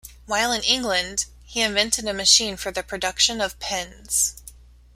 While in England, he invented a machine for the production of pins.